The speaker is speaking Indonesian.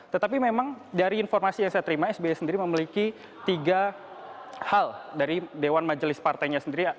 tetapi memang dari informasi yang saya terima sby sendiri memiliki tiga hal dari dewan majelis partainya sendiri